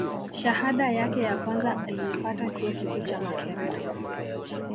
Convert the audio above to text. shahada yake ya kwanza aliipata chuo kikuu cha makerere